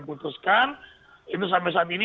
putuskan itu sampai saat ini